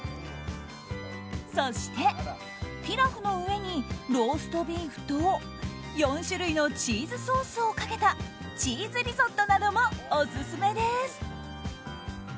そして、ピラフの上にローストビーフと４種類のチーズソースをかけたチーズリゾットなどもオススメです。